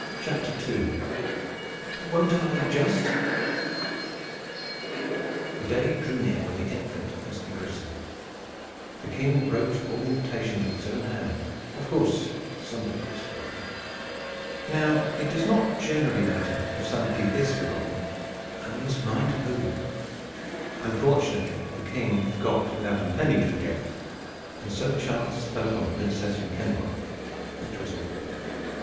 II. WON'T I, JUST? The day drew near when the infant must be christened. The king wrote all the invitations with his own hand. Of course somebody was forgotten. Now it does not generally matter if somebody is forgotten, only you must mind who. Unfortunately, the king forgot without intending to forget; and so the chance fell upon the Princess Makemnoit, which was awkward.